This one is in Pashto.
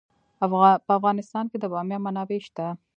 په افغانستان کې د بامیان منابع شته.